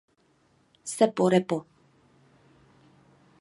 Seppo Repo.